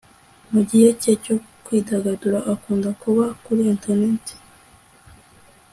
mu gihe cye cyo kwidagadura, akunda kuba kuri interineti miflhanc